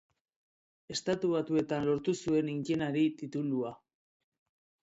Estatu Batuetan lortu zuen ingeniari-titulua.